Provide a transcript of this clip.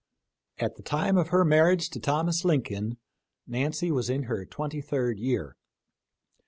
At the time of her marriage to Thomas Lin coln, Nancy was in her twenty third year.